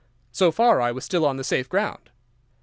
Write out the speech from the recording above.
So far I was still on safe ground.